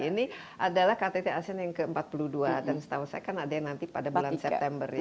ini adalah ktt asean yang ke empat puluh dua dan setahu saya kan ada yang nanti pada bulan september ya